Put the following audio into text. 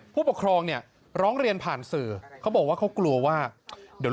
ผู้ปกครองเนี่ยร้องเรียนผ่านสื่อเขาบอกว่าเขากลัวว่าเดี๋ยว